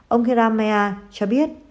ông hirayama cho biết